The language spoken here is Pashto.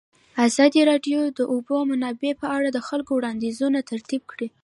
ازادي راډیو د د اوبو منابع په اړه د خلکو وړاندیزونه ترتیب کړي.